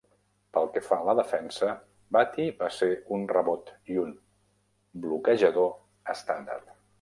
Pel que fa la defensa, Battie va ser un rebot i un bloquejador estàndard.